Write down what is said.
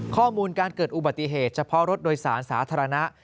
ข้อมูลการเกิดอุบัติเหตุเฉพาะรถโดยสารสาธารณะ